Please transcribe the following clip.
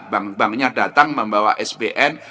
bank banknya datang membawa sbn